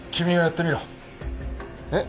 えっ？